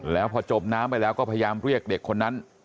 แล้วพอจมน้ำไปแล้วก็พยายามเรียกเด็กคนนั้น